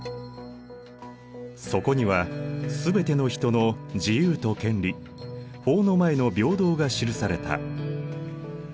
そこには全ての人の自由と権利法の前の平等が記された。